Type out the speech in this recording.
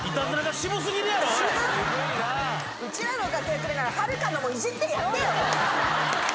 うちらの楽屋来るならはるかのもイジってやってよ！